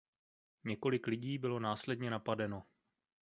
Několik lidí bylo následně napadeno.